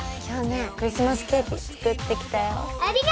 今日ねクリスマスケーキ作ってきたよ。